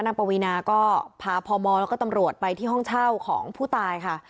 ปวีนาก็พาพมแล้วก็ตำรวจไปที่ห้องเช่าของผู้ตายค่ะ